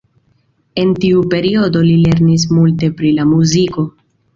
En tiu periodo li lernis multe pri la muziko.